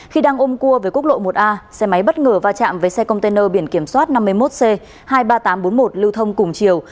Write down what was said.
khi đang ôm cua về quốc lộ một a xe máy bất ngờ va chạm với xe container biển kiểm soát năm mươi một c hai mươi ba nghìn tám trăm bốn mươi một lưu thông cùng chiều